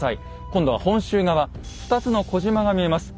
今度は本州側２つの小島が見えます。